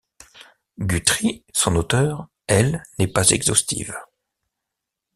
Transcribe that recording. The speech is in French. Guthrie, son auteur, elle n'est pas exhaustive.